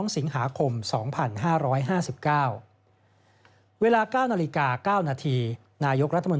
๑๒สิงหาคม๒๕๕๙